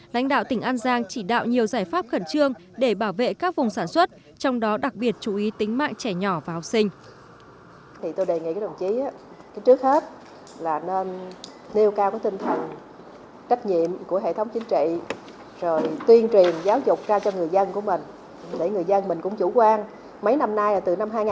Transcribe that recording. lãnh đạo tỉnh an giang chỉ đạo nhiều giải pháp khẩn trương để bảo vệ các vùng sản xuất